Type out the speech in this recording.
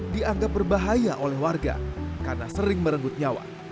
dianggap berbahaya oleh warga karena sering merenggut nyawa